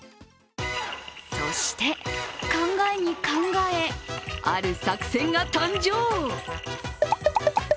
そして、考えに考えある作戦が誕生。